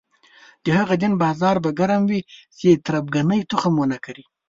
د هغه دین بازار به ګرم وي چې تربګنۍ تخم ونه کري.